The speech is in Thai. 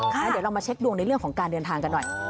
เดี๋ยวเรามาเช็คดวงในเรื่องของการเดินทางกันหน่อย